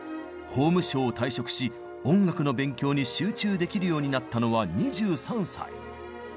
法務省を退職し音楽の勉強に集中できるようになったのは２３歳。